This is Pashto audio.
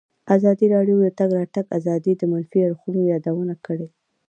ازادي راډیو د د تګ راتګ ازادي د منفي اړخونو یادونه کړې.